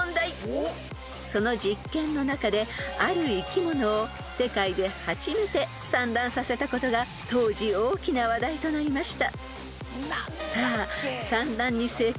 ［その実験の中である生き物を世界で初めて産卵させたことが当時大きな話題となりました］